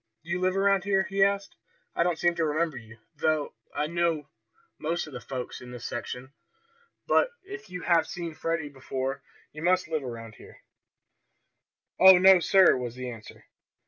Do you live around here?" he asked. "I don't seem to remember you, though I know most of the folks in this section. But if you have seen Freddie before you must live around here." "Oh, no, sir," was the answer.